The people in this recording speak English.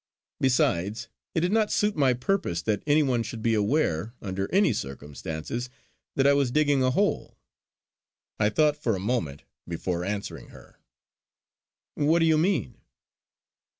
Besides, it did not suit my purpose that any one should be aware, under any circumstances, that I was digging a hole. I thought for a moment before answering her: "What do you mean?"